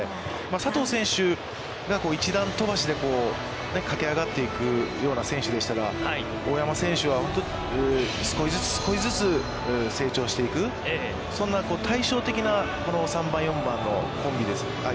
佐藤選手が１段跳ばしで駆け上がっていくような選手でしたら、大山選手は少しずつ少しずつ成長していく、そんな対照的な３番４番の、コンビです。